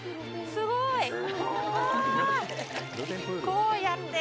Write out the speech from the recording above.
すごい！